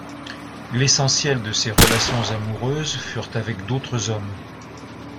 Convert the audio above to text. L'essentiel de ses relations amoureuses furent avec d'autres hommes.